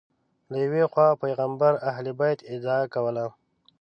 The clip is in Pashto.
له یوې خوا پیغمبر اهل بیت ادعا کوله